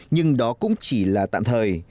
nhưng đó cũng chỉ là tạm thời